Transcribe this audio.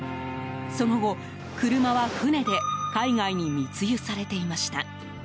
その後、車は船で海外に密輸されていました。